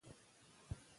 مور یې ګډون ته راضي شوه.